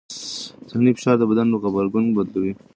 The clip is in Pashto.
ذهني فشار د بدن غبرګون بدلوي.